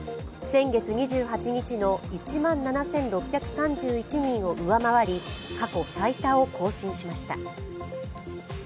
先月２８日の１万７６３８人を上回り、過去最多を更新しました。